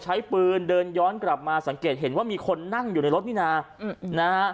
ใช้ปืนเดินย้อนกลับมาสังเกตเห็นว่ามีคนนั่งอยู่ในรถนี่นะนะฮะ